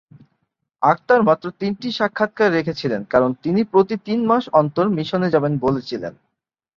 আক্তার মাত্র তিনটি সাক্ষাৎকার রেখেছিলেন কারণ তিনি প্রতি তিন মাস অন্তর মিশনে যাবেন বলেছিলেন।